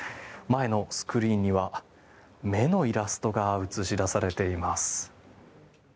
前のスクリーンには目のイラストが映し出されています。